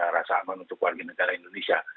rasa aman untuk warga negara indonesia